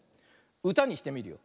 うたにしてみるよ。